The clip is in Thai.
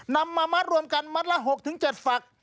นำมามัดรวมกันมัดละ๖๗ฝัก